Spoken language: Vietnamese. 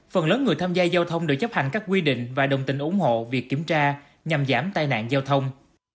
phần lớn người tham gia giao thông được chấp hành các quy định và đồng tình ủng hộ việc kiểm tra nhằm giảm tai nạn giao thông